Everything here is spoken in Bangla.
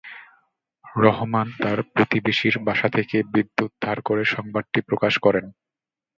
রহমান তার প্রতিবেশীর বাসা থেকে বিদ্যুৎ ধার করে সংবাদটি প্রকাশ করেন।